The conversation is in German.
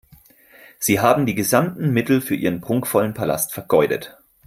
Sie haben die gesamten Mittel für Ihren prunkvollen Palast vergeudet.